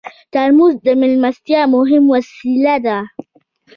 ترموز د میلمستیا مهم وسیله ده.